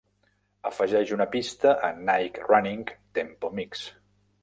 afegeix una pista a Nike Running Tempo Mix